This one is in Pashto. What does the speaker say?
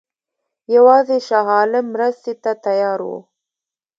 یوازې شاه عالم مرستې ته تیار وو.